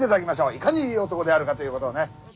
いかにいい男であるかということをね。